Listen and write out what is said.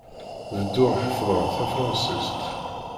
Bedduɣ ḥefḍeɣ tafṛansist.